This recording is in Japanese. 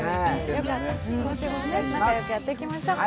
今週も仲よくやっていきましょう。